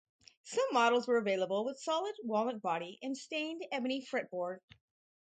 Some models were available with solid walnut body and stained ebony fretboard.